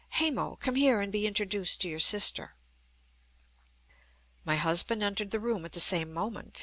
Hemo, come here and be introduced to your sister." My husband entered the room at the same moment.